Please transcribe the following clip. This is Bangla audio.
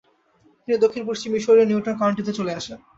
তিনি দক্ষিণ-পশ্চিম মিসৌরির নিউটন কাউন্টিতে চলে আসেন।